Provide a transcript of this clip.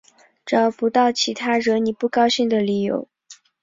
找不到其他惹你不高兴的理由